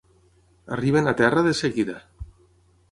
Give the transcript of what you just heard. Arriben a terra de seguida.